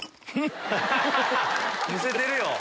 むせてるよ！